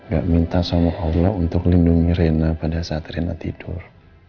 gak minta sama allah untuk lindungi rena pada saat rena tidur